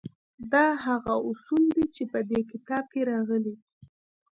دا هغه اصول دي چې په دې کتاب کې راغلي دي